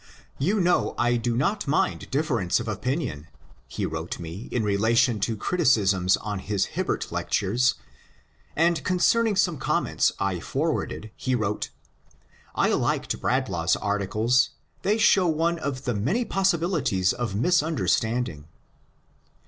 ^' You know I do not mind dif ference of opinion,'* he wrote me in relation to criticisms on his Hibbert lectures ; and concerning some comments I for warded he wrote :" I liked Bradlaugh's articles, — they show one of the many possibilities of misunderstanding."